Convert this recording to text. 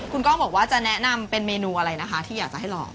คุณก้องบอกว่าจะแนะนำเป็นเมนูอะไรนะคะที่อยากจะให้ลอง